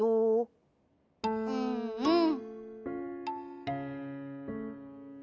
うんうん。